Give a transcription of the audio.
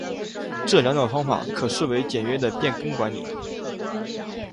这两种方法可视为简约的变更管理。